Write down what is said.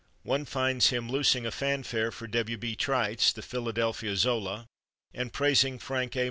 One finds him loosing a fanfare for W. B. Trites, the Philadelphia Zola, and praising Frank A.